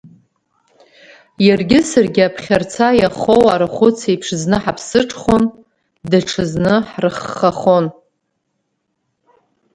Иаргьы саргьы аԥхьарца иахоу арахәыц еиԥш зны ҳаԥсыҽхон, даҽазны ҳрыххахон.